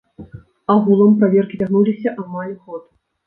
Агулам, праверкі цягнуліся амаль год.